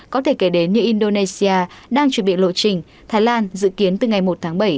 có thể kể đến như indonesia đang chuẩn bị lộ trình thái lan dự kiến từ ngày một tháng bảy